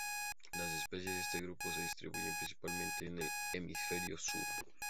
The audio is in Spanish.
Las especies de este grupo se distribuyen principalmente en el Hemisferio sur.